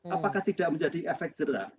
apakah tidak menjadi efek jerah